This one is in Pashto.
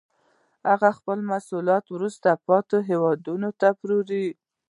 هغوی خپل محصولات په وروسته پاتې هېوادونو کې پلوري